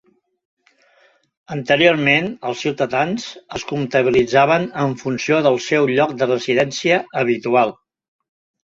Anteriorment, els ciutadans es comptabilitzaven en funció del seu lloc de residència habitual.